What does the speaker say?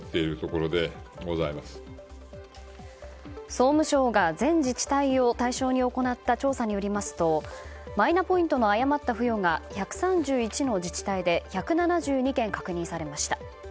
総務省が全自治体を対象に行った調査によりますとマイナポイントの誤った付与が１３１の自治体で１７２件確認されました。